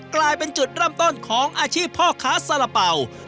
กลายเป็นจุดร่ำต้นของอาชีพพ่อค้าซาระเบา